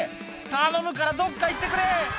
「頼むからどっか行ってくれ」